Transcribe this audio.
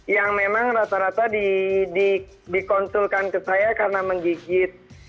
yang memang rata rata dikonsulkan ke saya karena menggigit